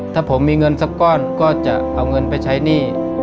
ถ้าผมมีเงินสักก้อนก็จะเอาเงินไปใช้หนี้